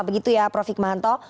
begitu ya prof hikmahanto